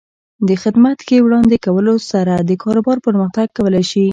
د خدمت ښې وړاندې کولو سره د کاروبار پرمختګ کولی شي.